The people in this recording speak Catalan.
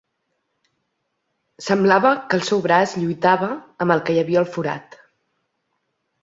Semblava que el seu braç lluitava amb el que hi havia al forat.